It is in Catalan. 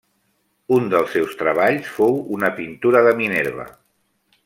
Un dels seus treballs fou una pintura de Minerva.